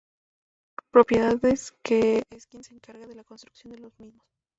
Propiedades que es quien se encarga de la construcción de los mismos.